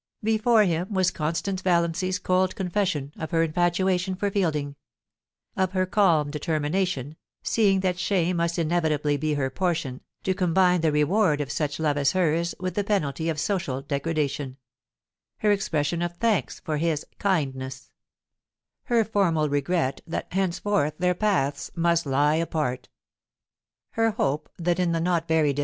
Before him was Constance Val iancy's cold confession of her infatuation for Fielding ; of her calm determination, seeing that shame must inevitably be her portion, to combine the reward of such love as hers with the penalty of social degradation; her expression of thanks for his kindness ; her formal regret that henceforth their paths must lie apart ; her hope that in the not very dis 26—2 » w% ^"*i ^ i .Ty 404 POLICY AND PASSION.